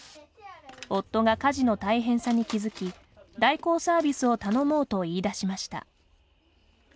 夫が家事の大変さに気付き代行サービスを頼もうと言いだしました。